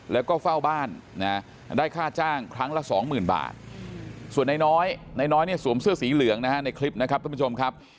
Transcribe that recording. แล้วก็เฝ้าบ้านนะได้ค่าจ้างครั้งละสองหมื่นบาทส่วนนายน้อยนายน้อยเนี่ยสวมเสื้อสีเหลืองนะฮะในคลิปนะครับท่านผู้ชมครับ